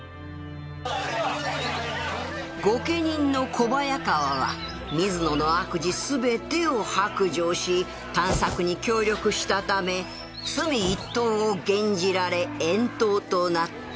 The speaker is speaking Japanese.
御家人の小早川は水野の悪事全てを白状し探索に協力したため罪一等を減じられ遠島となった